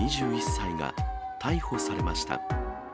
２１歳が、逮捕されました。